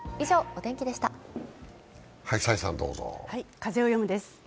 「風をよむ」です。